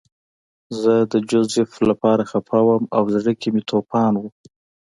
زه د جوزف لپاره خپه وم او زړه کې مې توپان و